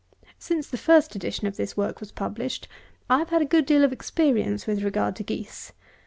Since the first edition of this work was published, I have had a good deal of experience with regard to geese.